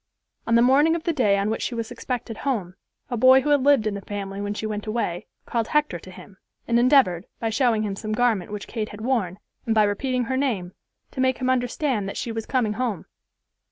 On the morning of the day on which she was expected home, a boy who had lived in the family when she went away, called Hector to him, and endeavored, by showing him some garment which Kate had worn and by repeating her name, to make him understand that she was coming home.